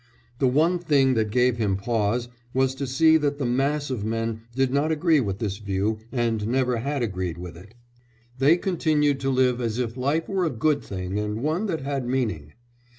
The one thing that gave him pause was to see that the mass of men did not agree with this view and never had agreed with it; they continued to live as if life were a good thing and one that had meaning.